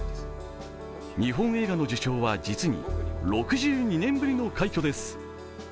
日本映画の受賞は実に６２年ぶりの快挙です。